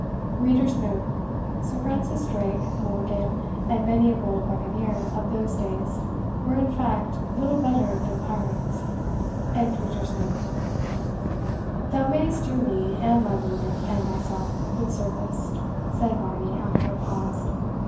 [Sir Francis Drake, Morgan, and many a bold buccaneer of those days, were, in fact, little better than pirates.] "Thou mayest do me, and my lord, and thyself, good service," said Varney, after a pause.